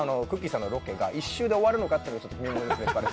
さんのロケが１週で終わるのかというのが見物ですね。